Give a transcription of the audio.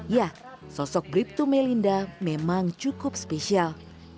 ya sosok brip tu melinda memang cukup spesial